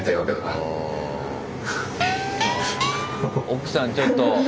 奥さんちょっと。